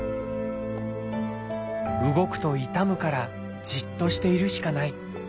「動くと痛むからじっとしているしかない」。